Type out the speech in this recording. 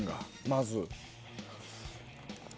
まず。